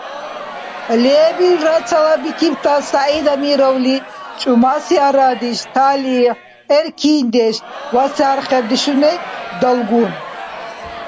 Лебилра цалабикибтас СягӀид Амировли чӀумаси арадеш, талихӀ, эркиндеш ва сархибдешуни далгун.